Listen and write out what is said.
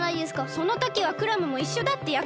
そのときはクラムもいっしょだってやくそくしたじゃん！